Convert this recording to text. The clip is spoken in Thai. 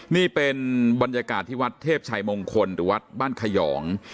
นี่เป็นบรรยากาศที่วัดเทพชัยมงคลหรือวัดบ้านขยอง